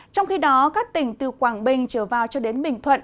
trong khi đó các tỉnh từ quảng bình trở vào cho đến bình thuận